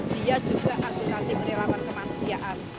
dia juga akutatif merilakan kemanusiaan